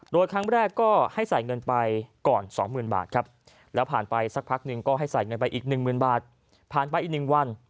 โดยครั้งแรกก็ให้ใส่เงินไปก่อน๒๐๐๐บาทครับแล้วผ่านไปสักพักหนึ่งก็ให้ใส่เงินไปอีก๑๐๐๐บาทผ่านไปอีก๑วัน